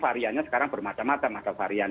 variannya sekarang bermacam macam ada varian